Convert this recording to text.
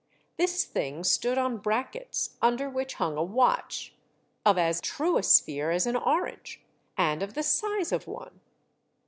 This thine stood on brackets, under which hung a watch, of as true a sphere as an orange, and of the size of one.